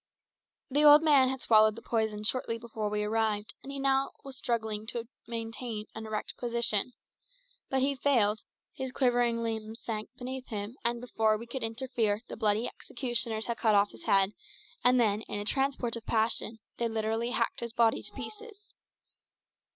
The old man had swallowed the poison shortly before we arrived, and he was now struggling to maintain an erect position. But he failed, his quivering limbs sank beneath him, and before we could interfere the bloody executioners had cut off his head, and then, in a transport of passion, they literally hacked his body to pieces.